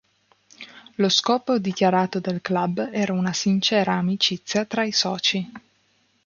Lo scopo dichiarato del club era una sincera amicizia tra i soci.